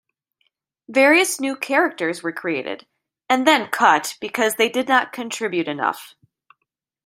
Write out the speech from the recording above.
Various new characters were created, and then cut because they did not contribute enough.